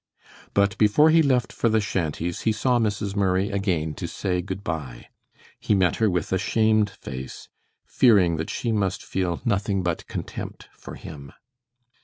But before he left for the shanties, he saw Mrs. Murray again to say good by. He met her with a shamed face, fearing that she must feel nothing but contempt for him.